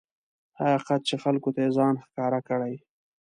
هغه حقیقت چې خلکو ته یې ځان ښکاره کړی.